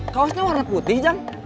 kawasnya warna putih jang